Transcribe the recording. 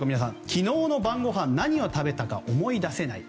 昨日の晩ごはん何を食べたか思い出せない。